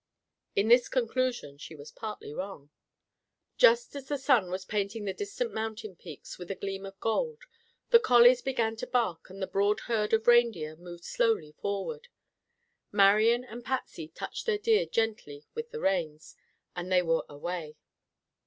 In this conclusion she was partly wrong. Just as the sun was painting the distant mountain peaks with a gleam of gold, the collies began to bark and the broad herd of reindeer moved slowly forward. Marian and Patsy touched their deer gently with the reins, and they were away.